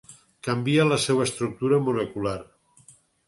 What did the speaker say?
Es canvia la seva estructura molecular.